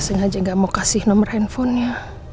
sengaja gak mau kasih nomor handphonenya